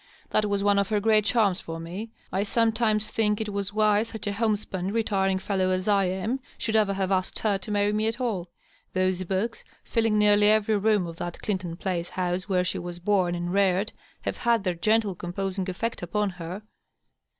That was one of her great charms for me. I sometimes think it was why such a homespun, retiring fellow as I am should ever have asked her to marry me at all. Those books, filling nearly every room of that Clinton Place house where she was bom and reared, have had their gentle, composing effect upon her."